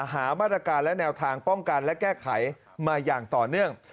หามาตรการและแนวทางป้องกันและแก้ไขมาอย่างต่อเนื่อง